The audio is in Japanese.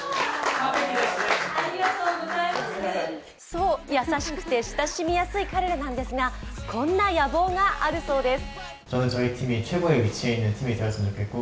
そう、優しくて親しみやすい彼らなんですがこんな野望があるそうです。